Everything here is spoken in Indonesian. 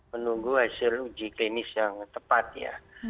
menunggu hasil uji klinis yang tepat ya